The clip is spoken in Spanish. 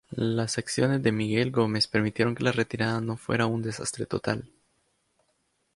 Las acciones de Miguel Gómez permitieron que la retirada no fuera un desastre total.